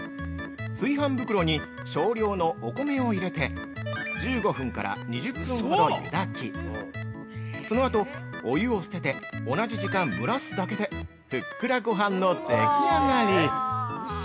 炊飯袋に少量のお米を入れて１５分２０分ほど湯炊きそのあと、お湯を捨てて同じ時間蒸らすだけでふっくらごはんのでき上がり！